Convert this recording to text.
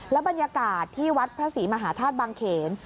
บรรยากาศที่วัดพระศรีมหาธาตุบางเขน